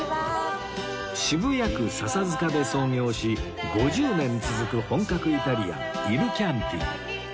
渋谷区笹塚で創業し５０年続く本格イタリアンイルキャンティ